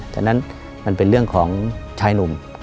ฉะนั้นมันเป็นเรื่องของชายหนุ่ม